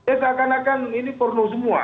eh seakan akan ini porno semua